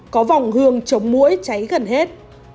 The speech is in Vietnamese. có vòng hương chống mũi cháy gần hết